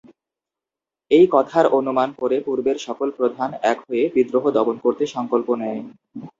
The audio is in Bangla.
এই কথার অনুমান করে পূর্বের সকল প্রধান এক হয়ে বিদ্রোহ দমন করতে সংকল্প নেয়।